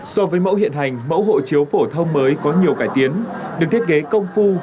so với mẫu hiện hành mẫu hộ chiếu phổ thông mới có nhiều cải tiến được thiết kế công phu